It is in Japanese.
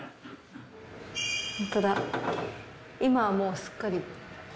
ホントだ今はもうすっかり。